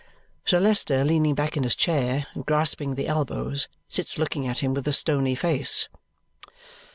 Sir Leicester, leaning back in his chair and grasping the elbows, sits looking at him with a stony face.